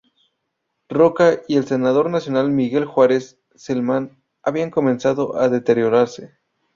Roca y el senador nacional Miguel Juárez Celman había comenzado a deteriorarse.